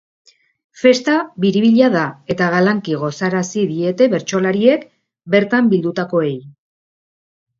Festa biribila izan da eta galanki gozarazi diete bertsolariek bertan bildutakoei.